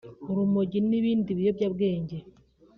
urumogi n’ibindi biyobyabwenge